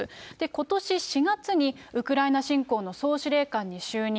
ことし４月にウクライナ侵攻の総司令官に就任。